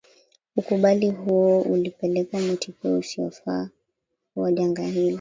ukubali huo ulipelekea mwitikio usiyofaa wa janga hili